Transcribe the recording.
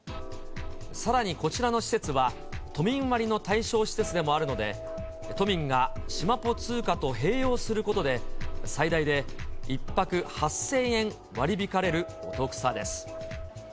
さらにこちらの施設は、都民割の対象施設でもあるので、都民がしまぽ通貨と併用することで、最大で１泊８０００円割り引かれるお得さです。